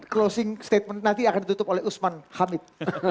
closing statement nanti akan ditutup oleh usman hamid